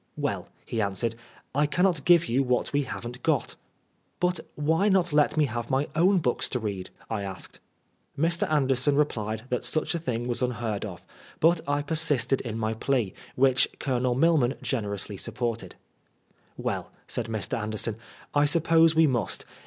"Well," he answered, "I cannot give you what we haven't got." " But why not let me have my own books to read ?" I asked. Mr. Anderson replied that such a thing was unheard of, but I persisted in my plea, which Colonel Milman generously supported. "Well," said Mr. Anderson, "I suppose we must.